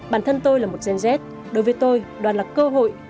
bản thân tôi là một gen z đối với tôi đoàn là cơ hội